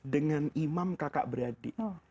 dengan imam kakak beradik